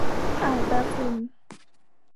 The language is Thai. อ่าวแบฟฟิน